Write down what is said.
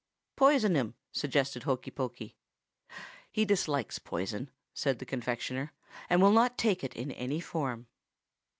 "'Poison him,' suggested Hokey Pokey. "'He dislikes poison,' said the confectioner, 'and will not take it in any form.